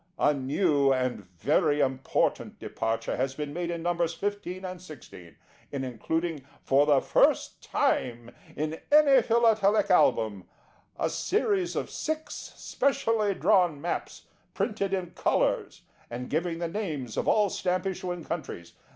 A new and very important departure has been made in Nos. 15 and 16, in including for the first time in any Philatelic Album a series of Six specially drawn Maps, printed in colours, and giving the names of all Stamp issuing Countries.